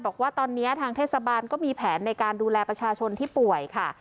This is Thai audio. บอกว่าตอนนี้ทางเทศบาลก็มีแผนในการดูแลประชาชนที่ป่วยค่ะ